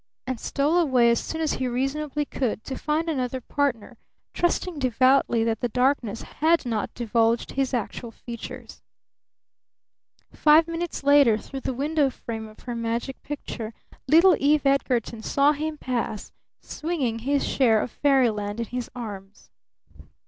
And stole away as soon as he reasonably could to find another partner, trusting devoutly that the darkness had not divulged his actual features. Five minutes later, through the window frame of her magic picture, little Eve Edgarton saw him pass, swinging his share of fairyland in his arms.